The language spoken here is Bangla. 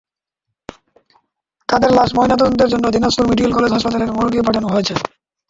তাঁদের লাশ ময়নাতদন্তের জন্য দিনাজপুর মেডিকেল কলেজ হাসপাতালের মর্গে পাঠানো হয়েছে।